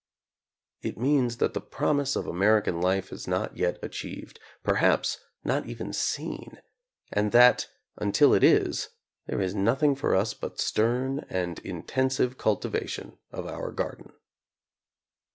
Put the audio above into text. It means that the promise of American life is not yet achieved, perhaps not even seen, and that, until it is, there is nothing for us but stern and intensive cultivation of our garden.